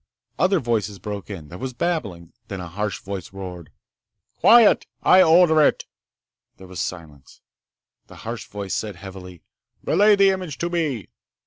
Other voices broke in. There was babbling. Then a harsh voice roared: "Quiet! I order it!" There was silence. The harsh voice said heavily, "Relay the image to me."